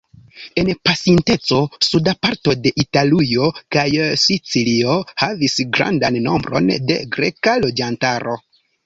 En pasinteco suda parto de Italujo kaj Sicilio havis grandan nombron de greka loĝantaro.